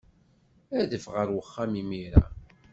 Adef ɣer uxxam imir-a.